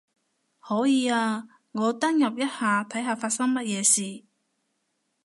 可以啊，我登入一下睇下發生乜嘢事